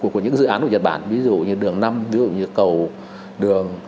của những dự án của nhật bản ví dụ như đường năm ví dụ như cầu đường